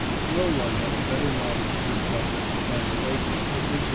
No one had a better knowledge of this subject than the late Mr. H.